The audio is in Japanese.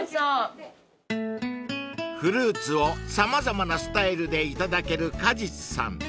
［フルーツを様々なスタイルでいただけるＫＡＪＩＴＳＵさん］